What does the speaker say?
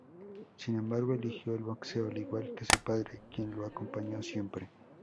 Sin embargo, eligió el boxeo, al igual que su padre, quien lo acompañó siempre.